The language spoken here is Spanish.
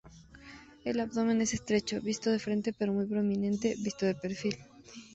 El abdomen es estrecho, visto de frente, pero muy prominente visto de perfil.